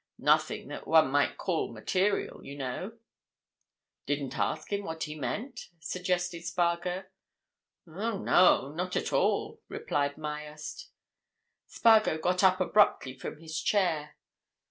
"Nothing that one might call material, you know." "Didn't ask him what he meant?" suggested Spargo. "Oh, no—not at all," replied Myerst. Spargo got up abruptly from his chair.